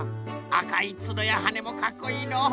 あかいつのやはねもかっこいいのう。